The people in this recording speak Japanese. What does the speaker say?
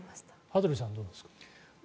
羽鳥さんはどうですか。